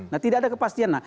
nah tidak ada kepastian